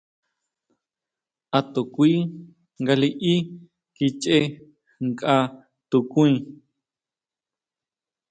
A to kui nga liʼí kichʼe nkʼa tukuí.